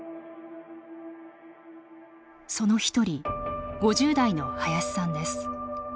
その１人、５０代の林さんです。